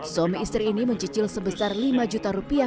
suami istri ini mencicil sebesar lima juta rupiah